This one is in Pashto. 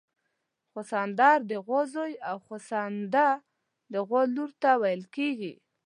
سخوندر د غوا زوی او سخونده د غوا لور ته ویل کیږي